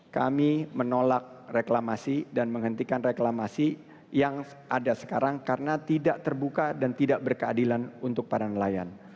kami menolak reklamasi dan menghentikan reklamasi yang ada sekarang karena tidak terbuka dan tidak berkeadilan untuk para nelayan